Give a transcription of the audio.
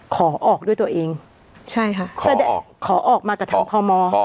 ขอออกด้วยตัวเองใช่ค่ะขอออกขอออกมากับพม